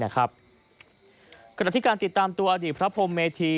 ขณะที่การติดตามตัวอดีตพระพรมเมธี